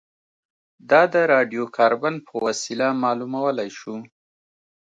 دا د راډیو کاربن په وسیله معلومولای شو